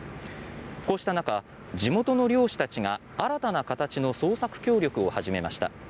こうした中地元の漁師たちが新たな形の捜索協力を始めました。